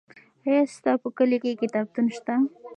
آیا ستا په کلي کې کتابتون شته؟